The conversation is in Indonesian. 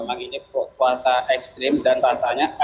memang ini cuaca ekstrim dan rasanya